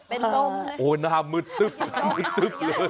เป็นต้มเลยโอ้โหหน้ามืดตึ๊บตึ๊บเลย